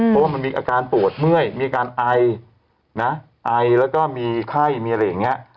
เพราะว่ามันมีอาการปวดเมื่อยมีอาการไอนะไอแล้วก็มีไข้มีอะไรอย่างนี้